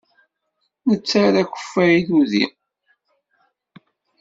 Nettarra akeffay d udi.